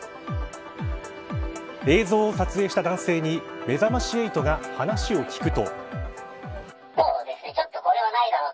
映像を撮影した男性にめざまし８が話を聞くと。